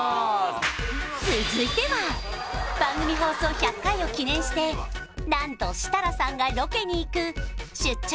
続いては番組放送１００回を記念してなんと設楽さんがロケに行く出張！